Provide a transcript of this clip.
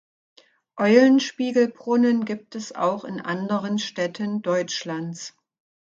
Eulenspiegel-Brunnen gibt es auch in anderen Städten Deutschlands.